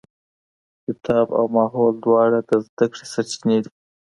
کتاب او ماحول دواړه د زده کړې سرچينې دي.